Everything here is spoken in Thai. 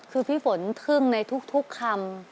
คือพี่ฝนทึ่งในทุกคำ